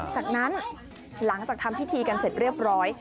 จากนั้นหลังจากทำพิธีกันเสร็จเรียบร้อย